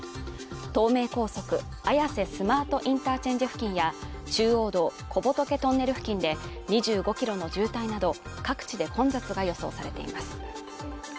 東名高速綾瀬スマートインターチェンジ付近や中央道小仏トンネル付近で２５キロの渋滞など各地で混雑が予想されています。